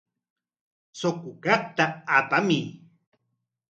Suqu kaqta apamuy.